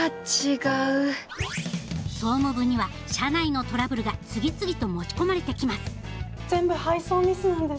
総務部には社内のトラブルが次々と持ち込まれてきます全部配送ミスなんです。